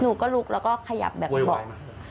หนูก็ลุกแล้วก็ขยับแบบบอกโยยนะ